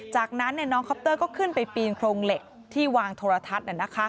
จากนั้นน้องคอปเตอร์ก็ขึ้นไปปีนโครงเหล็กที่วางโทรทัศน์